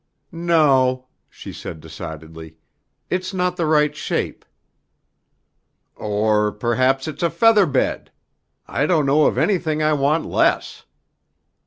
"No," she said decidedly. "It's not the right shape." "Or perhaps it's a feather bed; I don't know of anything I want less."